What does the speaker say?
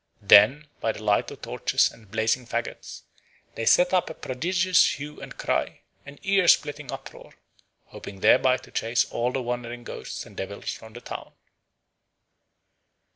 Then by the light of torches and blazing faggots they set up a prodigious hue and cry, an ear splitting uproar, hoping thereby to chase all the wandering ghosts and devils from the town.